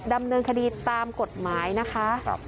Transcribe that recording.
ดำเนินคดีตามกฎหมายนะคะ